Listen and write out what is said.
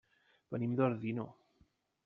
Venim d'Ordino.